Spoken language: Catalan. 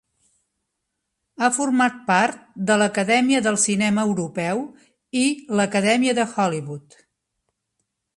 Ha format part de l'Acadèmia del Cinema Europeu i l'Acadèmia de Hollywood.